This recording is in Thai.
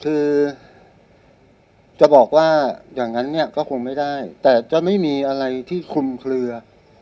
คือจะบอกว่าอย่างนั้นเนี่ยก็คงไม่ได้แต่จะไม่มีอะไรที่คลุมเคลือ